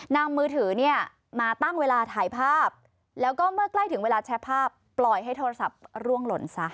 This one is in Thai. มือถือเนี่ยมาตั้งเวลาถ่ายภาพแล้วก็เมื่อใกล้ถึงเวลาแชร์ภาพปล่อยให้โทรศัพท์ร่วงหล่นซะ